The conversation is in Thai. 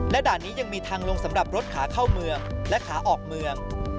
ด่านนี้ยังมีทางลงสำหรับรถขาเข้าเมืองและขาออกเมือง